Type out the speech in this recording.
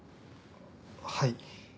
はい。